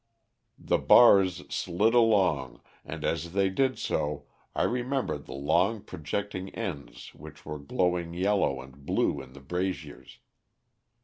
"The bars slid along, and as they did so I remembered the long projecting ends which were glowing yellow and blue in the braziers.